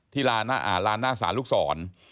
ที่ลานหน้าศาลลูกศร